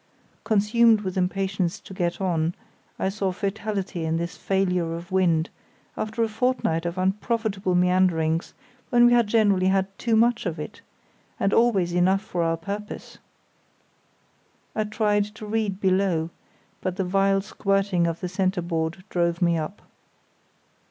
Consumed with impatience to get on I saw fatality in this failure of wind, after a fortnight of unprofitable meanderings, when we had generally had too much of it, and always enough for our purpose. I tried to read below, but the vile squirting of the centreboard drove me up.